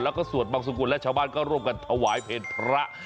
แล้วก็สวดบังสุกุลและชาวบ้านก็ร่วมกันถวายเพลงพระ